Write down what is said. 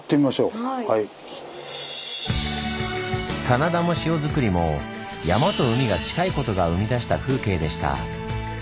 棚田も塩作りも山と海が近いことが生み出した風景でした。